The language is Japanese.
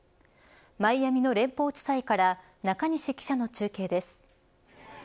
マイアミの連邦地裁から中西記者の中継です。